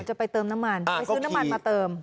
จะไปเติมน้ำมันไปซื้อน้ำมันมาเติม